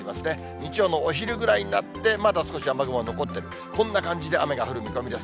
日曜のお昼ぐらいになって、まだ少し雨雲残ってる、こんな感じで雨が降る見込みです。